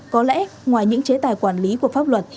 có lẽ ngoài những chế tài quản lý của pháp luật